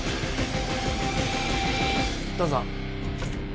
どうぞ。